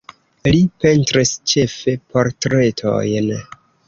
Li pentris ĉefe portretojn.